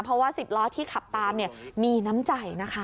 เพราะว่า๑๐ล้อที่ขับตามมีน้ำใจนะคะ